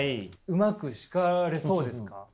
うまく叱れそうですか？